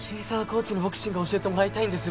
コーチにボクシング教えてもらいたいんです